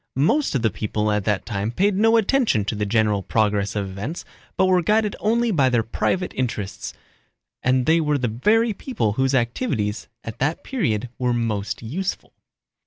Most of the people at that time paid no attention to the general progress of events but were guided only by their private interests, and they were the very people whose activities at that period were most useful.